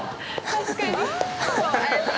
確かに。